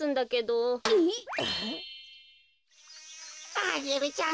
アゲルちゃん